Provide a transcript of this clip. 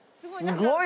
すごい！